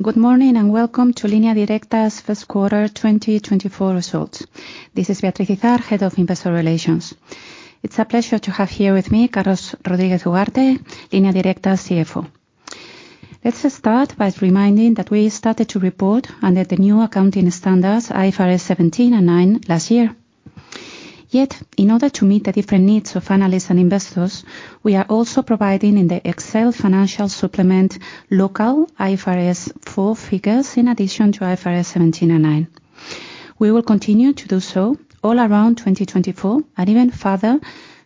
Good morning and welcome to Línea Directa's first quarter 2024 results. This is Beatriz Izard, Head of Investor Relations. It's a pleasure to have here with me Carlos Rodríguez Ugarte, Línea Directa's CFO. Let's start by reminding that we started to report under the new accounting standards, IFRS 17 and 9, last year. Yet, in order to meet the different needs of analysts and investors, we are also providing in the Excel financial supplement local IFRS 4 figures in addition to IFRS 17 and 9. We will continue to do so all around 2024 and even further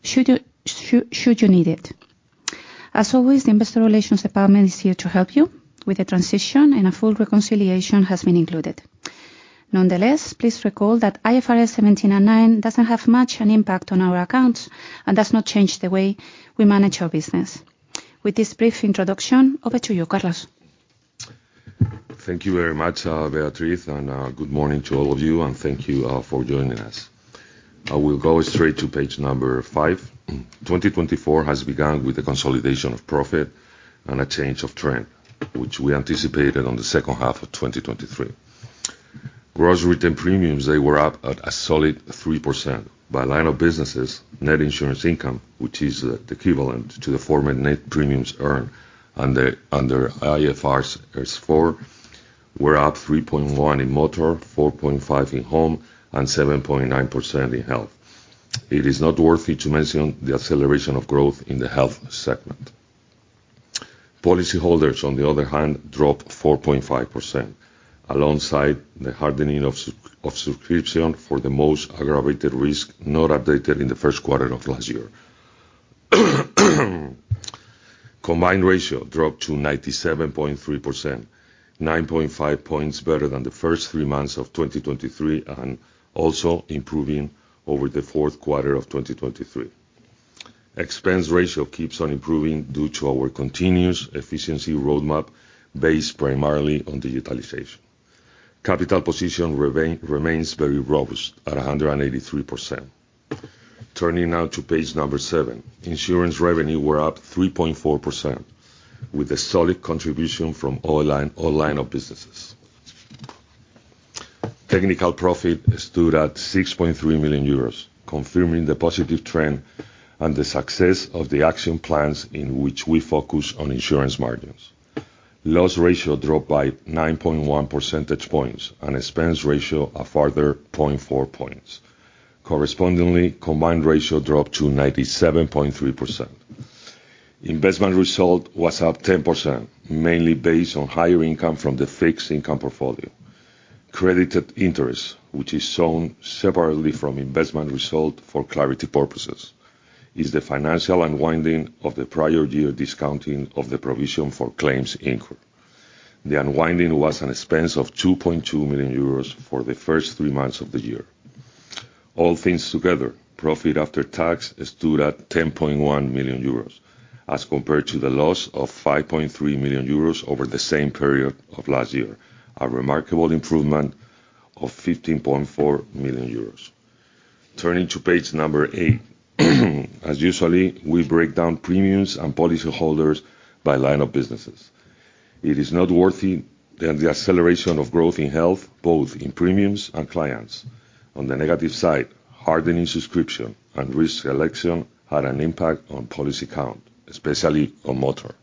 should you need it. As always, the Investor Relations Department is here to help you with the transition, and a full reconciliation has been included. Nonetheless, please recall that IFRS 17 and 9 doesn't have much an impact on our accounts and does not change the way we manage our business. With this brief introduction, over to you, Carlos. Thank you very much, Beatriz, and good morning to all of you, and thank you for joining us. I will go straight to page number five. 2024 has begun with a consolidation of profit and a change of trend, which we anticipated on the second half of 2023. Gross written premiums, they were up at a solid 3%. By line of businesses, net insurance income, which is the equivalent to the former net premiums earned under IFRS 4, were up 3.1% in motor, 4.5% in home, and 7.9% in health. It is noteworthy to mention the acceleration of growth in the health segment. Policyholders, on the other hand, dropped 4.5% alongside the hardening of subscription for the most aggravated risk not updated in the first quarter of last year. Combined ratio dropped to 97.3%, 9.5 points better than the first three months of 2023 and also improving over the fourth quarter of 2023. Expense ratio keeps on improving due to our continuous efficiency roadmap based primarily on digitalization. Capital position remains very robust at 183%. Turning now to page number seven, insurance revenue were up 3.4% with a solid contribution from all line of businesses. Technical profit stood at 6.3 million euros, confirming the positive trend and the success of the action plans in which we focus on insurance margins. Loss ratio dropped by 9.1 percentage points and expense ratio a further 0.4 points. Correspondingly, combined ratio dropped to 97.3%. Investment result was up 10%, mainly based on higher income from the fixed income portfolio. Credited interest, which is shown separately from investment result for clarity purposes, is the financial unwinding of the prior year discounting of the provision for claims. The unwinding was an expense of 2.2 million euros for the first three months of the year. All things together, profit after tax stood at 10.1 million euros as compared to the loss of 5.3 million euros over the same period of last year, a remarkable improvement of 15.4 million euros. Turning to page number eight, as usual, we break down premiums and policyholders by lines of business. It is noteworthy, the acceleration of growth in health, both in premiums and clients. On the negative side, hardening subscription and risk selection had an impact on policy count, especially on motor.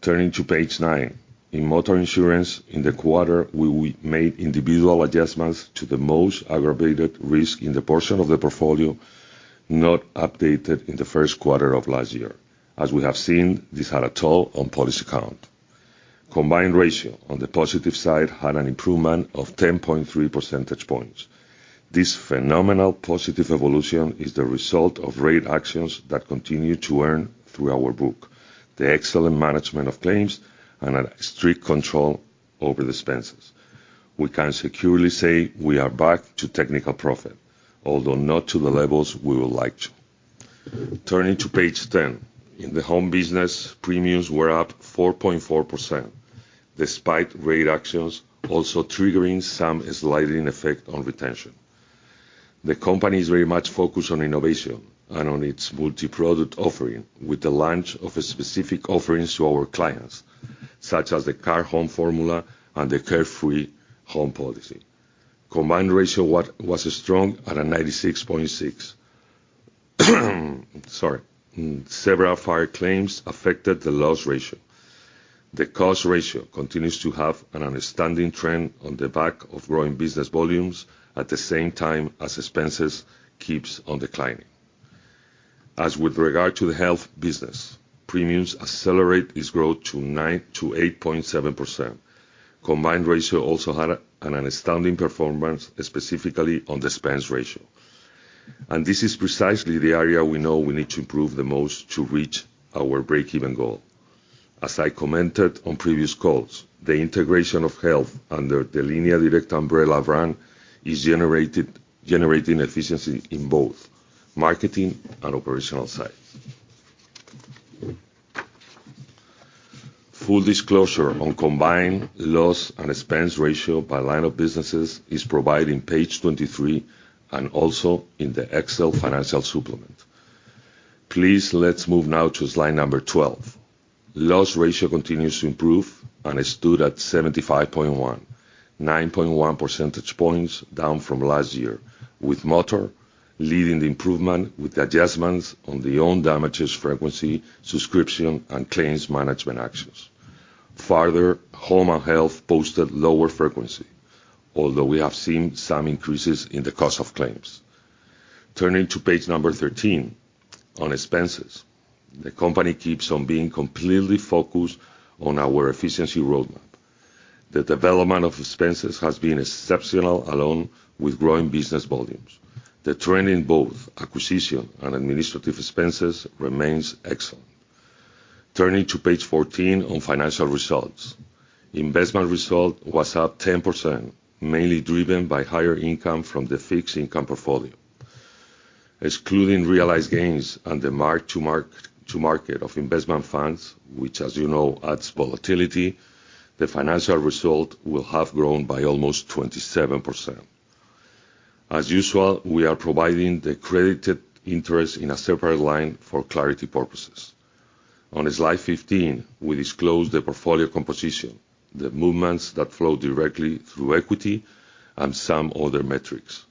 Turning to page nine, in motor insurance, in the quarter we made individual adjustments to the most aggravated risk in the portion of the portfolio not updated in the first quarter of last year. As we have seen, this had a toll on policy count. Combined ratio, on the positive side, had an improvement of 10.3 percentage points. This phenomenal positive evolution is the result of rate actions that continue to earn through our book, the excellent management of claims, and a strict control over the expenses. We can securely say we are back to technical profit, although not to the levels we would like to. Turning to page 10, in the home business, premiums were up 4.4%, despite rate actions also triggering some sliding effect on retention. The company is very much focused on innovation and on its multi-product offering, with the launch of specific offerings to our clients, such as the Car + Home Formula and the Carefree Home policy. Combined ratio was strong at 96.6%. Several fire claims affected the loss ratio. The cost ratio continues to have an outstanding trend on the back of growing business volumes at the same time as expenses keep on declining. As with regard to the health business, premiums accelerate its growth to 8.7%. Combined ratio also had an outstanding performance, specifically on the expense ratio. This is precisely the area we know we need to improve the most to reach our break-even goal. As I commented on previous calls, the integration of health under the Línea Directa umbrella brand is generating efficiency in both marketing and operational sides. Full disclosure on combined loss and expense ratio by line of businesses is provided in page 23 and also in the Excel financial supplement. Please, let's move now to slide number 12. Loss ratio continues to improve and stood at 75.1, 9.1 percentage points down from last year, with motor leading the improvement with adjustments on the own damages frequency, subscription, and claims management actions. Further, home and health posted lower frequency, although we have seen some increases in the cost of claims. Turning to page number 13, on expenses, the company keeps on being completely focused on our efficiency roadmap. The development of expenses has been exceptional alone with growing business volumes. The trend in both acquisition and administrative expenses remains excellent. Turning to page 14, on financial results, investment result was up 10%, mainly driven by higher income from the fixed income portfolio. Excluding realized gains and the mark-to-market of investment funds, which, as you know, adds volatility, the financial result will have grown by almost 27%. As usual, we are providing the credited interest in a separate line for clarity purposes. On slide 15, we disclose the portfolio composition, the movements that flow directly through equity, and some other metrics.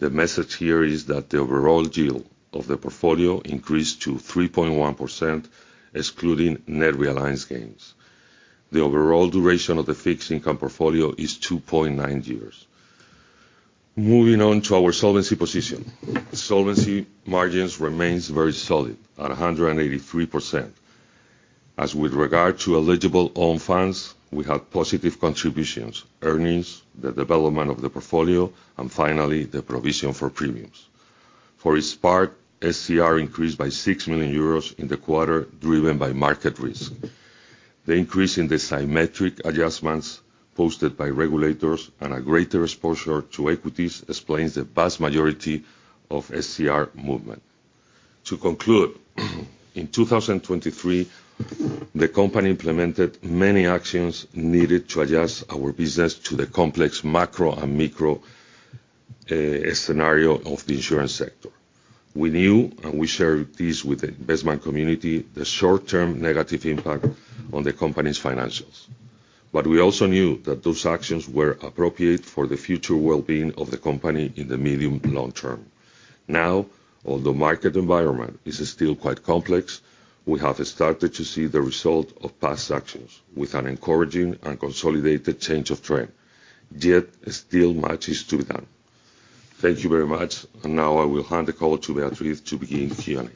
The message here is that the overall yield of the portfolio increased to 3.1%, excluding net realized gains. The overall duration of the fixed income portfolio is 2.9 years. Moving on to our solvency position, solvency margins remain very solid at 183%. As with regard to eligible own funds, we had positive contributions, earnings, the development of the portfolio, and finally, the provision for premiums. For its part, SCR increased by 6 million euros in the quarter, driven by market risk. The increase in the symmetric adjustments posted by regulators and a greater exposure to equities explains the vast majority of SCR movement. To conclude, in 2023, the company implemented many actions needed to adjust our business to the complex macro and micro scenario of the insurance sector. We knew, and we share this with the investment community, the short-term negative impact on the company's financials. But we also knew that those actions were appropriate for the future well-being of the company in the medium-long term. Now, although the market environment is still quite complex, we have started to see the result of past actions with an encouraging and consolidated change of trend. Yet, still much is to be done. Thank you very much, and now I will hand the call to Beatriz to begin Q&A.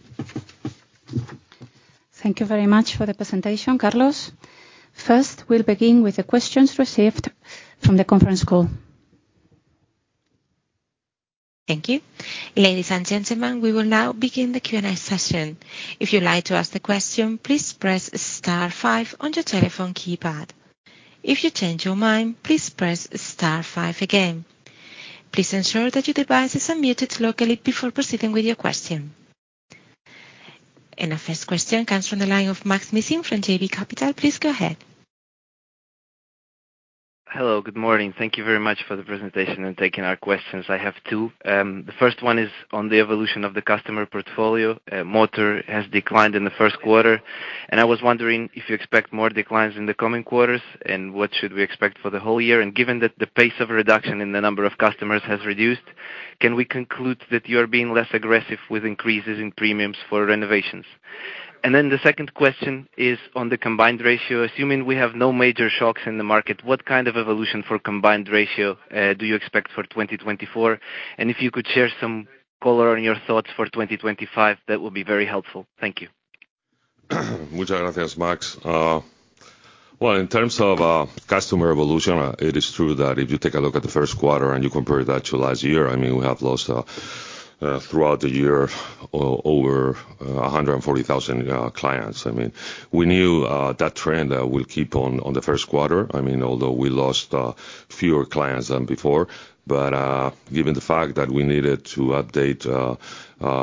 Thank you very much for the presentation, Carlos. First, we will begin with the questions received from the conference call. Thank you. Ladies and gentlemen, we will now begin the Q&A session. If you would like to ask the question, please press star five on your telephone keypad. If you change your mind, please press star five again. Please ensure that your device is unmuted locally before proceeding with your question. Our first question comes from the line of Maksym Mishyn from JB Capital. Please go ahead. Hello, good morning. Thank you very much for the presentation and taking our questions. I have two. The first one is on the evolution of the customer portfolio. Motor has declined in the first quarter, and I was wondering if you expect more declines in the coming quarters and what should we expect for the whole year. And given that the pace of reduction in the number of customers has reduced, can we conclude that you are being less aggressive with increases in premiums for renovations? And then the second question is on the combined ratio. Assuming we have no major shocks in the market, what kind of evolution for combined ratio do you expect for 2024? And if you could share some color on your thoughts for 2025, that would be very helpful. Thank you. [Foreign, Maks. Well, in terms of customer evolution, it is true that if you take a look at the first quarter and you compare that to last year, I mean, we have lost throughout the year over 140,000 clients. I mean, we knew that trend will keep on the first quarter, I mean, although we lost fewer clients than before. But given the fact that we needed to update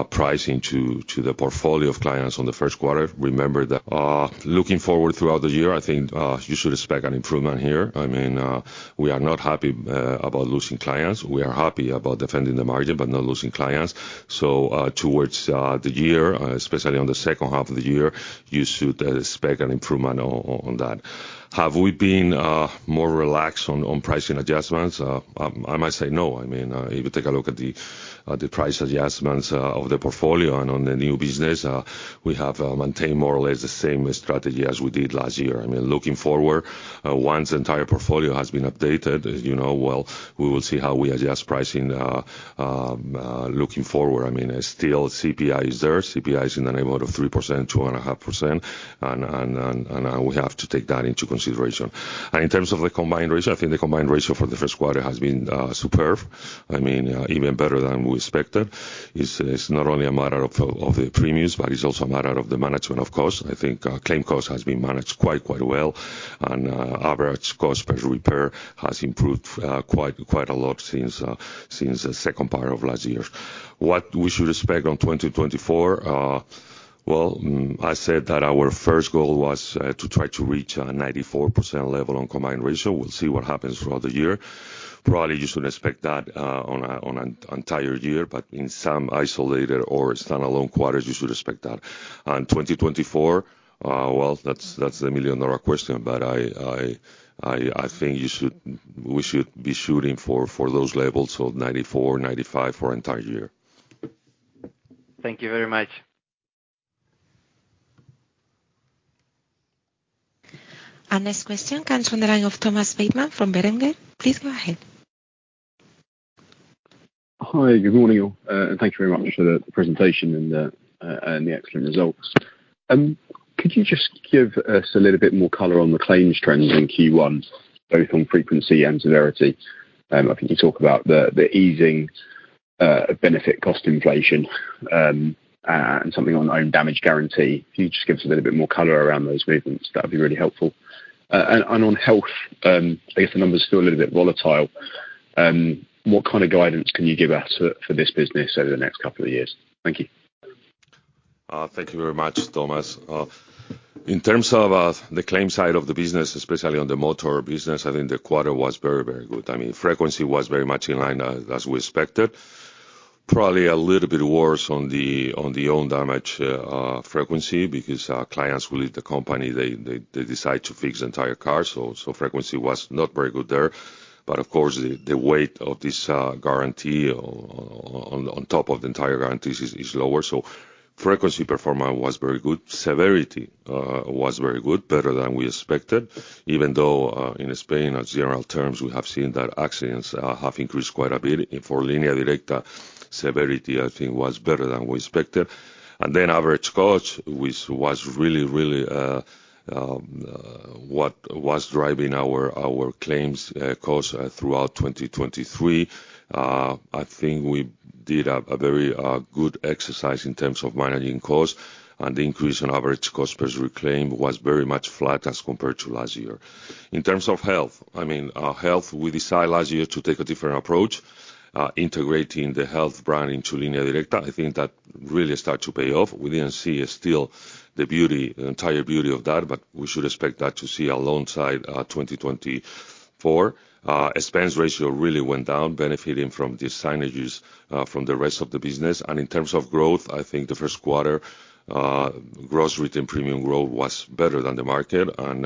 pricing to the portfolio of clients on the first quarter, remember. Looking forward throughout the year, I think you should expect an improvement here. I mean, we are not happy about losing clients. We are happy about defending the margin, but not losing clients. So, towards the year, especially on the second half of the year, you should expect an improvement on that. Have we been more relaxed on pricing adjustments? I might say no. I mean, if you take a look at the price adjustments of the portfolio and on the new business, we have maintained more or less the same strategy as we did last year. I mean, looking forward, once the entire portfolio has been updated, as you know, well, we will see how we adjust pricing looking forward. I mean, still, CPI is there. CPI is in the neighborhood of 3%, 2.5%, and we have to take that into consideration. In terms of the combined ratio, I think the combined ratio for the first quarter has been superb. I mean, even better than we expected. It's not only a matter of the premiums, but it's also a matter of the management of costs. I think claim costs have been managed quite, quite well, and average cost per repair has improved quite, quite a lot since the second part of last year. What we should expect on 2024, well, I said that our first goal was to try to reach a 94% level on combined ratio. We will see what happens throughout the year. Probably you should expect that on an entire year, but in some isolated or standalone quarters, you should expect that. On 2024, well, that's the million-dollar question, but I think we should be shooting for those levels, so 94% or 95% for an entire year. Thank you very much. Our next question comes from the line of Thomas Bateman from Berenberg. Please go ahead. Hi, good morning, and thank you very much for the presentation and the excellent results. Could you just give us a little bit more color on the claims trends in Q1, both on frequency and severity? I think you talked about the easing of benefit cost inflation and something on own damage guarantee. If you could just give us a little bit more color around those movements, that would be really helpful. And on health, I guess the numbers are still a little bit volatile. What kind of guidance can you give us for this business over the next couple of years? Thank you. Thank you very much, Thomas. In terms of the claims side of the business, especially on the motor business, I think the quarter was very, very good. I mean, frequency was very much in line as we expected. Probably a little bit worse on the own damage frequency because clients will leave the company. They decide to fix the entire car, so frequency was not very good there. But, of course, the weight of this guarantee on top of the entire guarantees is lower. So frequency performance was very good. Severity was very good, better than we expected, even though in Spain, on general terms, we have seen that accidents have increased quite a bit. For Línea Directa, severity, I think, was better than we expected. And then average cost, which was really, really what was driving our claims costs throughout 2023. I think we did a very good exercise in terms of managing costs, and the increase in average cost per claim was very much flat as compared to last year. In terms of health, I mean, health, we decided last year to take a different approach, integrating the health brand into Línea Directa. I think that really started to pay off. We didn't see still the entire beauty of that, but we should expect that to see alongside 2024. Expense ratio really went down, benefiting from the synergies from the rest of the business. And in terms of growth, I think the first quarter, gross written premium growth was better than the market, and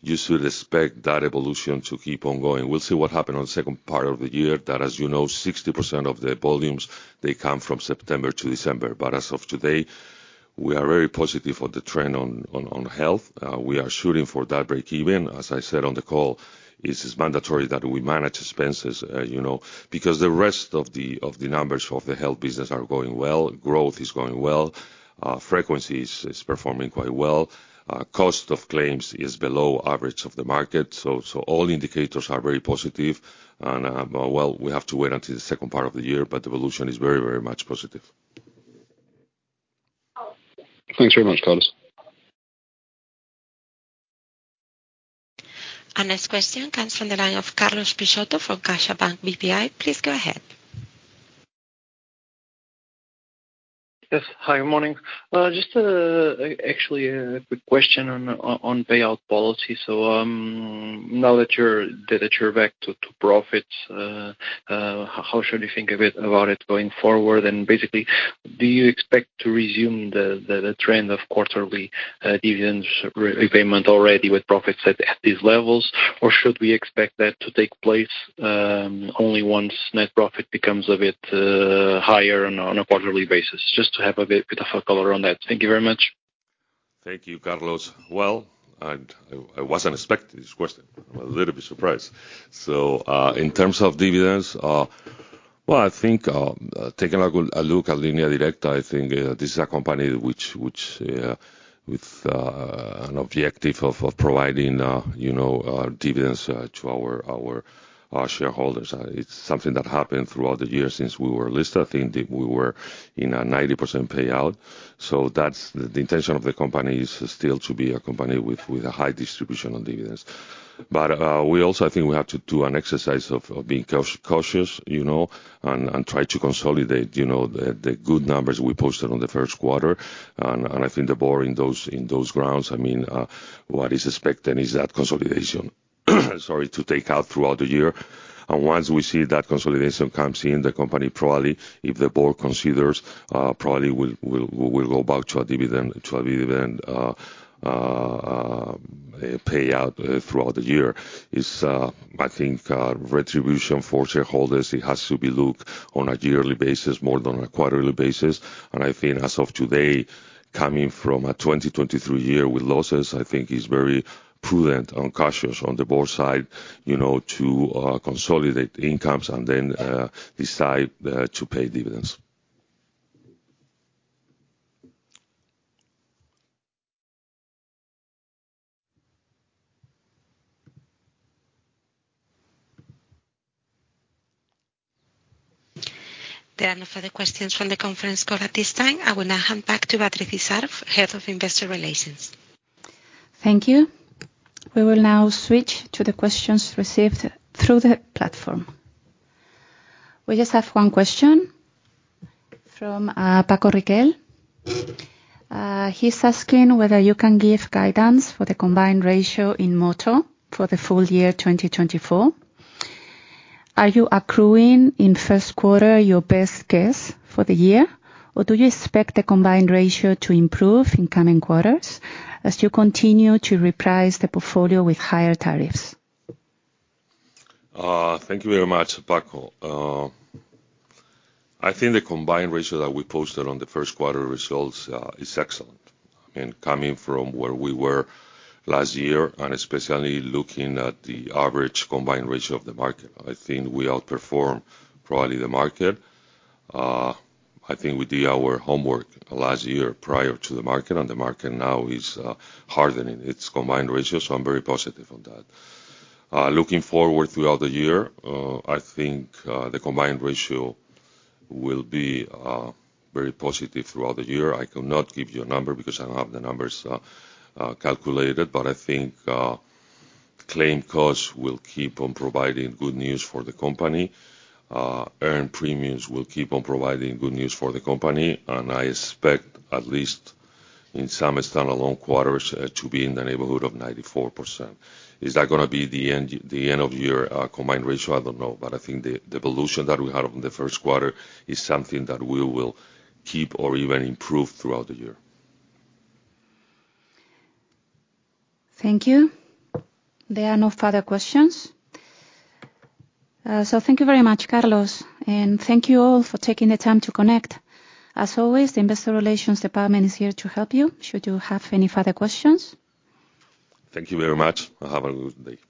you should expect that evolution to keep ongoing. We will see what happens on the second part of the year. That, as you know, 60% of the volumes, they come from September to December. As of today, we are very positive on the trend on health. We are shooting for that break-even. As I said on the call, it's mandatory that we manage expenses because the rest of the numbers of the health business are going well. Growth is going well. Frequency is performing quite well. Cost of claims is below average of the market. So all indicators are very positive. And, well, we have to wait until the second part of the year, but the evolution is very, very much positive. Thanks very much, Carlos. Our next question comes from the line of Carlos Peixoto from CaixaBank BPI. Please go ahead. Yes. Hi, good morning. Just actually a quick question on payout policy. So now that you're back to profits, how should you think about it going forward? And basically, do you expect to resume the trend of quarterly dividends repayment already with profits at these levels, or should we expect that to take place only once net profit becomes a bit higher on a quarterly basis? Just to have a bit of a color on that. Thank you very much. Thank you, Carlos. Well, I wasn't expecting this question. I'm a little bit surprised. So in terms of dividends, well, I think taking a look at Línea Directa, I think this is a company with an objective of providing dividends to our shareholders. It's something that happened throughout the year since we were listed. I think we were in a 90% payout. So the intention of the company is still to be a company with a high distribution of dividends. But we also, I think, we have to do an exercise of being cautious and try to consolidate the good numbers we posted on the first quarter. And I think the board, in those grounds, I mean, what is expected is that consolidation, sorry, to take out throughout the year. Once we see that consolidation comes in, the company probably, if the board considers, probably will go back to a dividend payout throughout the year. I think retribution for shareholders, it has to be looked on a yearly basis more than a quarterly basis. I think as of today, coming from a 2023 year with losses, I think it's very prudent and cautious on the board side to consolidate incomes and then decide to pay dividends. There are no further questions from the conference call at this time. I will now hand back to Beatriz Izard, Head of Investor Relations. Thank you. We will now switch to the questions received through the platform. We just have one question from Paco Riquel. He's asking whether you can give guidance for the combined ratio in motor for the full year 2024. Are you accruing in first quarter your best guess for the year, or do you expect the combined ratio to improve in coming quarters as you continue to reprice the portfolio with higher tariffs? Thank you very much, Paco. I think the combined ratio that we posted on the first quarter results is excellent. I mean, coming from where we were last year and especially looking at the average combined ratio of the market, I think we outperformed probably the market. I think we did our homework last year prior to the market, and the market now is hardening its combined ratio, so I'm very positive on that. Looking forward throughout the year, I think the combined ratio will be very positive throughout the year. I cannot give you a number because I don't have the numbers calculated, but I think claim costs will keep on providing good news for the company. Earned premiums will keep on providing good news for the company, and I expect at least in some standalone quarters to be in the neighborhood of 94%. Is that going to be the end of year combined ratio? I don't know, but I think the evolution that we had in the first quarter is something that we will keep or even improve throughout the year. Thank you. There are no further questions. So thank you very much, Carlos, and thank you all for taking the time to connect. As always, the Investor Relations Department is here to help you should you have any further questions. Thank you very much. Have a good day.